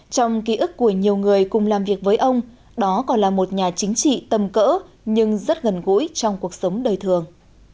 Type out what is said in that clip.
trong ký ức của nhiều người cùng làm việc với ông đó còn là một nhà chính trị tầm cỡ nhưng rất gần gũi trong cuộc sống đời thường